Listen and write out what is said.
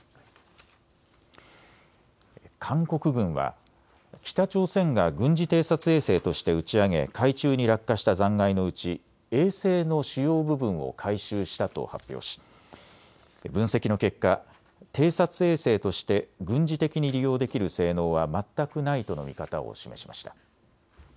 韓国軍は北朝鮮が軍事偵察衛星として打ち上げ、海中に落下した残骸のうち、衛星の主要部分を回収したと発表し分析の結果、偵察衛星として軍事的に利用できる性能は全くないとの見方を示しました。